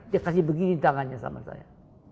dia kasih begini tangannya sama saya